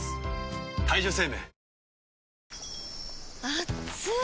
あっつい！